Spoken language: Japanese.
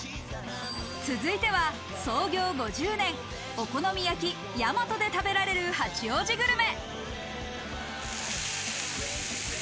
続いては創業５０年、お好み焼きやまとで食べられる八王子グルメ。